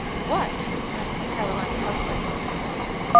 "What?" asked Caroline harshly.